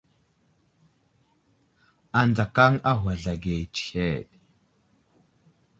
Adzakaŋ a ghwazl age tsəhəd.